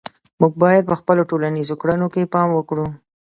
موږ باید په خپلو ټولنیزو کړنو کې پام وکړو.